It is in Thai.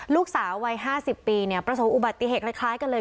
ลูกสาววัย๕๐ปีประสบอุบัติเหตุคล้ายกันเลย